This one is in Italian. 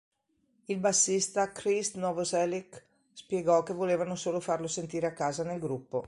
Il bassista Krist Novoselic spiegò che "volevano solo farlo sentire a casa nel gruppo".